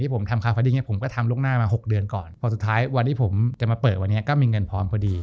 ผมทำคาร์ฟาดิ้งผมก็ทำล่วงหน้ามา๖เดือนก่อนพอสุดท้ายวันที่ผมจะมาเปิดวันนี้ก็มีเงินพร้อมพอดี